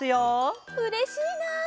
うれしいな！